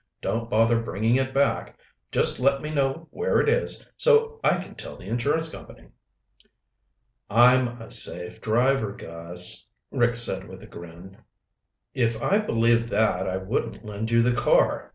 Don't bother bringing it back. Just let me know where it is so I can tell the insurance company." "I'm a safe driver, Gus," Rick said with a grin. "If I believed that I wouldn't lend you the car.